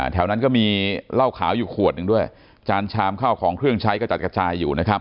แถวนั้นก็มีเหล้าขาวอยู่ขวดหนึ่งด้วยจานชามข้าวของเครื่องใช้กระจัดกระจายอยู่นะครับ